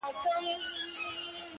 • ستا هغه ګوته طلایي چیري ده؛